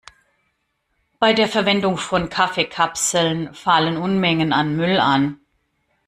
Bei der Verwendung von Kaffeekapseln fallen Unmengen an Müll an.